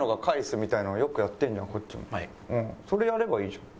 それやればいいじゃん